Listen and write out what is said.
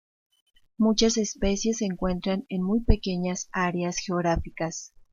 Muchas especies se encuentran en muy pequeñas áreas geográficas.